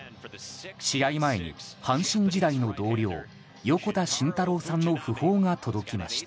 試合前に阪神時代の同僚横田慎太郎さんの訃報が届きました。